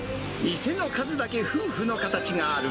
店の数だけ夫婦の形がある。